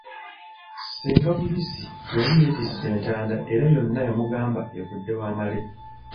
Ssenga Buyisi yali yeetisse entanda era yonna yamugamba evudde wa Male.